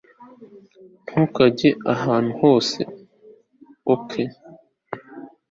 ntukajye ahantu hose, ok